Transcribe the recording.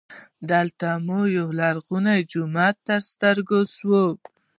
دلته مو هم یولرغونی جومات تر ستر ګو سو.